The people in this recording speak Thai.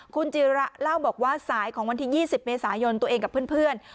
คุณจิระเล่าบอกว่าสายของวันที่๒๐เมษายนตัวเองกับเพื่อน